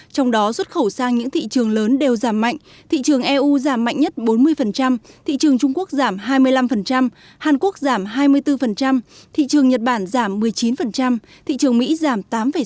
trong đó xuất khẩu sang những thị trường lớn đều giảm mạnh thị trường eu giảm mạnh nhất bốn mươi thị trường trung quốc giảm hai mươi năm hàn quốc giảm hai mươi bốn thị trường nhật bản giảm một mươi chín thị trường mỹ giảm tám sáu